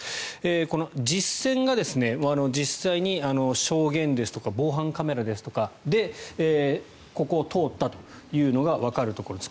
この実線が実際に証言ですとか防犯カメラですとかでここを通ったというのがわかるところです。